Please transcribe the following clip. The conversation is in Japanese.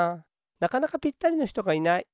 なかなかぴったりのひとがいない。